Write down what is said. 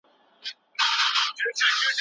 هغه نجلۍ چې مډال یې وګاټه ډېره لایقه ده.